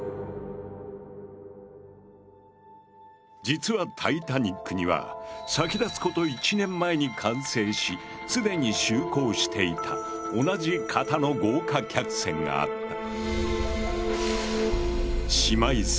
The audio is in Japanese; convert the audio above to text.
実はタイタニックには先立つこと１年前に完成し既に就航していた同じ型の豪華客船があった。